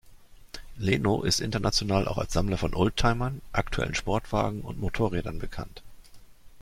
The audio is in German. Leno ist international auch als Sammler von Oldtimern, aktuellen Sportwagen und Motorrädern bekannt.